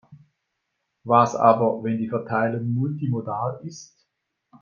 Was aber, wenn die Verteilung multimodal ist?